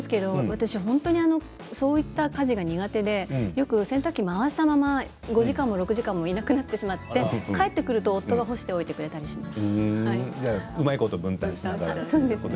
私はそういった家事が苦手でよく洗濯機を回したまま５時間も６時間もいなくなってしまって帰ってくると夫が干してくれていたりします。